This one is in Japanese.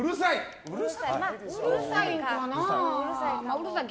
うるさい！